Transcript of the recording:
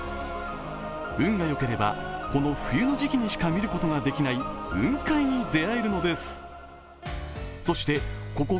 運が良ければこの冬の時期にしか見ることができない雲海に出会うことができるのです。